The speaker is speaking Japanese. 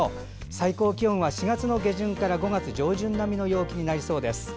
最高気温は４月下旬から５月上旬並みの陽気になりそうです。